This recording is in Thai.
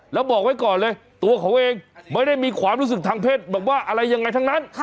แล้วบอกไว้ก่อนเลยตัวเขาเองไม่ได้มีความรู้สึกทางเพศแบบว่าอะไรยังไงทั้งนั้น